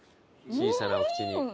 小さなお口に。